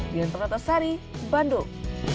diantara tosari bandung